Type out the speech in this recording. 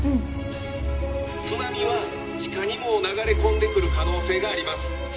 「津波は地下にも流れ込んでくる可能性があります」。